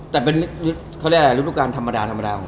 แต่เป็นรูดวการธรรมดาของซาร่าไง